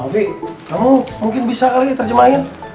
v kamu mungkin bisa kali ya terjemahin